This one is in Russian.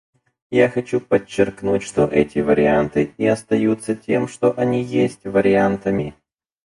Я хочу подчеркнуть, что эти варианты и остаются тем, что они есть, − вариантами.